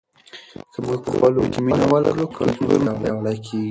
که موږ په خپلو کې مینه ولرو کلتور پیاوړی کیږي.